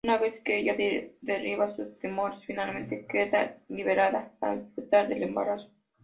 Una vez que ella derriba sus temores finalmente queda liberada para disfrutar del embarazo.